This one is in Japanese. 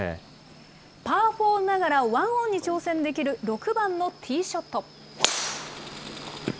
パー４ながらワンオンに挑戦できる６番のティーショット。